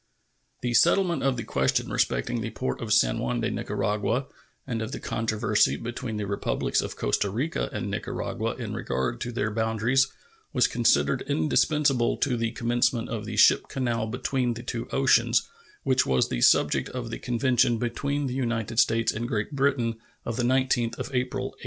The settlement of the question respecting the port of San Juan de Nicaragua and of the controversy between the Republics of Costa Rica and Nicaragua in regard to their boundaries was considered indispensable to the commencement of the ship canal between the two oceans, which was the subject of the convention between the United States and Great Britain of the 19th of April, 1850.